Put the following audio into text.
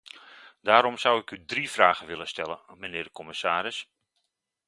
Daarom zou ik u drie vragen willen stellen, mijnheer de commissaris.